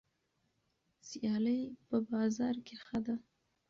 سیالي په بازار کې ښه ده.